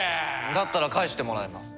だったら返してもらいます。